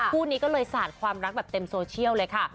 คู่นี้ก็เลยสาดความรักแบบเต็มโซเชียลเลยค่ะ